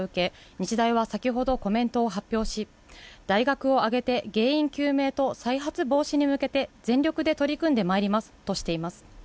日大は先ほどコメントを発表し、大学を挙げて原因究明と再発防止に向けて全力で取り組んでまいりますとしています。